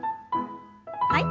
はい。